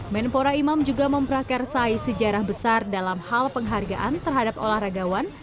menpora imam juga memprakarsai sejarah besar dalam hal penghargaan terhadap olahragawan